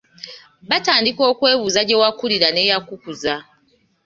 Batandika okwebuuza gye wakulira n’eyakukuza.